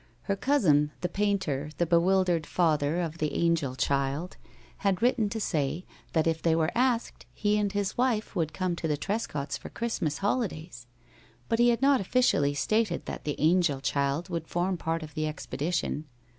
Her cousin, the painter, the bewildered father of the angel child, had written to say that if they were asked, he and his wife would come to the Trescotts for the Christmas holidays. But he had not officially stated that the angel child would form part of the expedition.